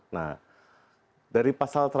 nah dari pasal satu ratus enam belas